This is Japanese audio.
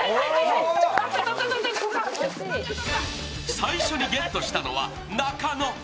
最初にゲットしたのは中野。